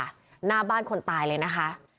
หน้าบ้านคนตายเลยนะคะ